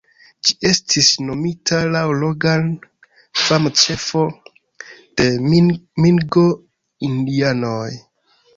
Ĝi estis nomita laŭ Logan, fama ĉefo de Mingo-indianoj.